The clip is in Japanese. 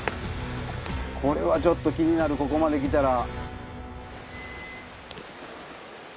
これはちょっと気になるここまできたら。